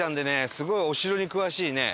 すごいお城に詳しいね。